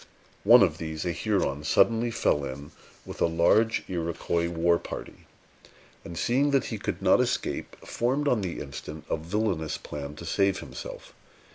One of these, a Huron, suddenly fell in with a large Iroquois war party, and, seeing that he could not escape, formed on the instant a villanous plan to save himself.